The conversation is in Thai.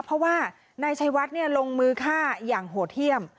เพราะว่าในชัยวัฒน์เนี่ยลงมือฆ่าอย่างโหดเที่ยม